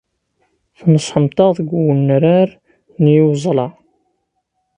Tneṣṣḥemt-aɣ deg wenrar n yiweẓla.